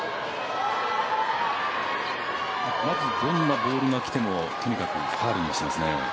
まずどんなボールがきてもとにかくファウルにはしますね。